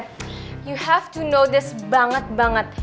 kamu harus tahu ini banget banget